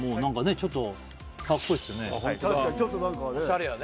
ちょっと何かね